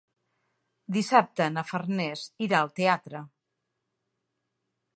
Dissabte na Farners irà al teatre.